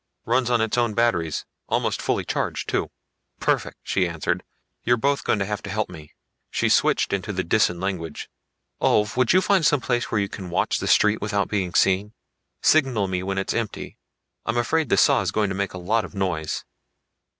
"Runs on its own battery; almost fully charged too." "Perfect," she answered. "You're both going to have to help me." She switched into the Disan language. "Ulv, would you find some place where you can watch the street without being seen? Signal me when it is empty. I'm afraid this saw is going to make a lot of noise."